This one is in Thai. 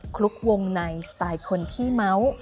คลุกวงในสไตล์คนขี้เมาส์